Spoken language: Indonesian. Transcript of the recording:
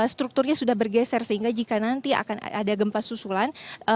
strukturnya sudah bergeser sehingga jika nanti akan ada gempa susulan